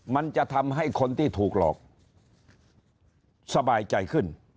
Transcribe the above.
มันจะทำให้คนที่ถูกหลอกสบายใจขึ้น